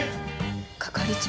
係長。